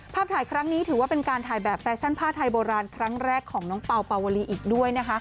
ถ่ายครั้งนี้ถือว่าเป็นการถ่ายแบบแฟชั่นผ้าไทยโบราณครั้งแรกของน้องเปล่าปาวลีอีกด้วยนะคะ